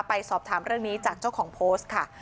ไปสอบถามเรื่องนี้จากเจ้าของโพสต์ค่ะ